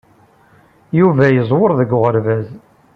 Yuba yeẓwer deg uɣerbaz.